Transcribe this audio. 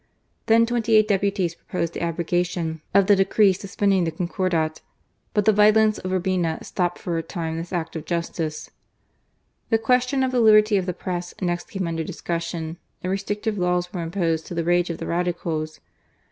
Then twenty eight deputies pro posed the abrogation of the decree suspending the Concordat, but the violence of Urbina stopped for a time, this act, of justice. The question of the liberty of the Press next came under discussion, and restrictive laws were imposed, to the rage of the Radicals.